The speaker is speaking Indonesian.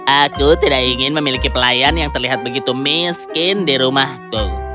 aku tidak ingin memiliki pelayan yang terlihat begitu miskin di rumahku